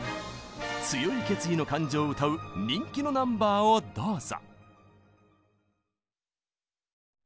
強い決意の感情を歌う人気のナンバーをどうぞ！